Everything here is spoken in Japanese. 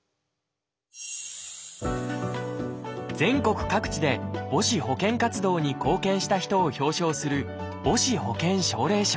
全国各地で母子保健活動に貢献した人を表彰する母子保健奨励賞。